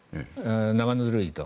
生ぬるいと。